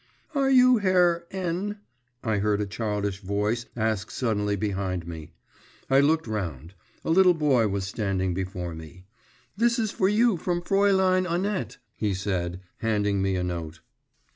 'Are you Herr N ?' I heard a childish voice ask suddenly behind me. I looked round; a little boy was standing before me. 'This is for you from Fraülein Annette,' he said, handing me a note.